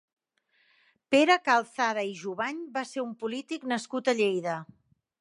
Pere Calzada i Jubany va ser un polític nascut a Lleida.